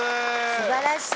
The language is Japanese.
素晴らしい！